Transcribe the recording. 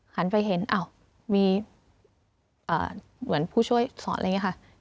หันไปเห็นอ้าวมีเหมือนผู้ช่วยสอนอะไรอย่างนี้ค่ะ